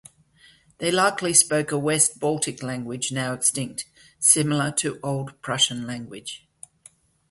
They likely spoke a West Baltic language, now extinct, similar to Old Prussian language.